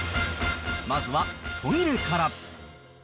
まずはトイレから。